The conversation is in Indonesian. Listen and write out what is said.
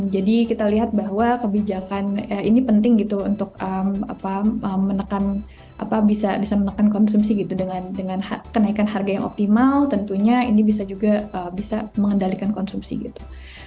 jadi kita lihat bahwa kebijakan ini penting gitu untuk bisa menekan konsumsi gitu dengan kenaikan harga yang optimal tentunya ini bisa juga bisa mengendalikan konsumsi gitu